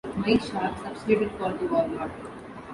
Mike Sharpe substituted for The Warlord.